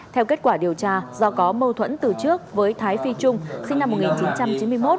theo kết quả điều tra do có mâu thuẫn từ trước với thái phi trung sinh năm một nghìn chín trăm chín mươi một